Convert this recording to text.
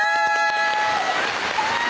やった！